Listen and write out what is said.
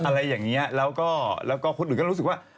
อะไรอย่างนี้แล้วก็คนอื่นก็รู้สึกว่า